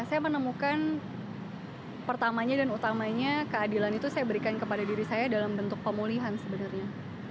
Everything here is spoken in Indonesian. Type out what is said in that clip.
saya menemukan pertamanya dan utamanya keadilan itu saya berikan kepada diri saya dalam bentuk pemulihan sebenarnya